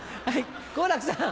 好楽さん。